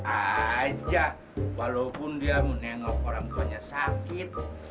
aja walaupun dia menengok orang tuanya sakit